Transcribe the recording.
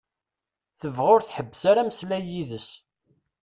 Tebɣa ur tḥebbes ara ameslay yid-s.